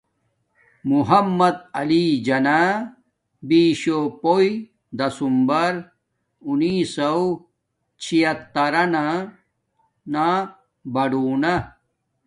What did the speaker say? محمد علی جناح بیشو ہیوݵ دسمبر اونیسوں چھیاترانا نا باڑونا